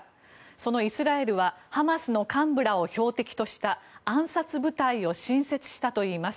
そのイスラエルはハマスの幹部らを標的にした暗殺部隊を新設したといいます。